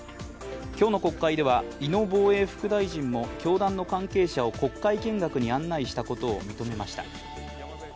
今日の国会では井野防衛副大臣も教団の関係者を国会見学に案内したことを認めました。